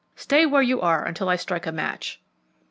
Stay where you are until I strike a match."